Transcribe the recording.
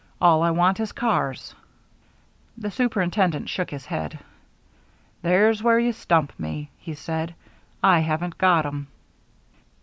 All I want is cars." The superintendent shook his head. "There's where you stump me," he said. "I haven't got 'em."